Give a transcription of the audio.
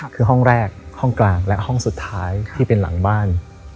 คือห้องแรกห้องกลางและห้องสุดท้ายที่เป็นหลังบ้าน